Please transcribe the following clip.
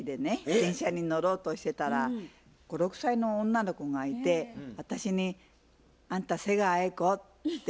電車に乗ろうとしてたら５６歳の女の子がいて私に「あんた瀬川瑛子？」って聞くんですよ。